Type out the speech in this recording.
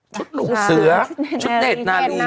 ชุดหลุกเสือชุดเนธนาลี